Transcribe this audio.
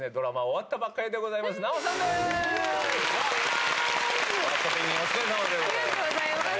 ありがとうございます。